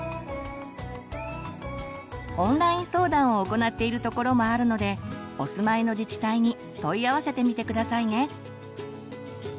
オンライン相談を行っている所もあるのでお住まいの自治体に問い合わせてみて下さいね。